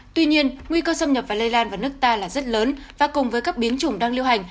tuy nhiên nguy cơ xâm nhập và lây lan vào nước ta là rất lớn và cùng với các biến chủng đang lưu hành